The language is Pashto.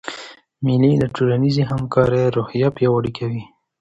مېلې د ټولنیزي همکارۍ روحیه پیاوړې کوي.